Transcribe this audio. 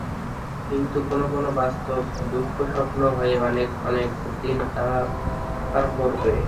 কিন্তু কোনো কোনো বাস্তব দুঃস্বপ্ন হয়ে অনেক অনেক দিন তাড়া করবে।